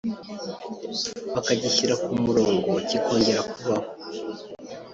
bakagishyira ku murongo kikongera kubaho